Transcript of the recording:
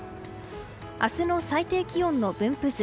明日の最低気温の分布図。